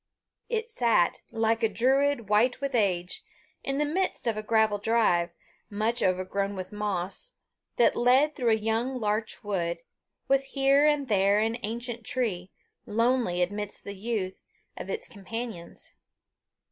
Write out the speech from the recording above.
It sat, like a Druid white with age, in the midst of a gravel drive, much overgrown with moss, that led through a young larch wood, with here and there an ancient tree, lonely amidst the youth of its companions.